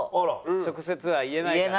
直接は言えないから。